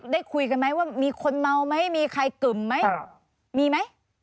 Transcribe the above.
ได้คุยกันไหมว่ามีคนเมาไหมมีใครกึ่มไหมมีไหม